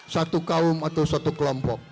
satu kaum atau satu kelompok